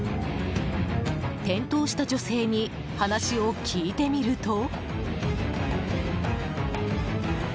転倒した女性に話を聞いてみると。